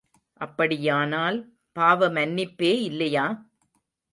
அப்படியானால் பாவமன்னிப்பே இல்லையா?